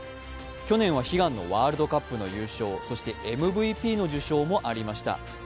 去年は悲願のワールドカップの優勝、そしてＭＶＰの受賞もありました。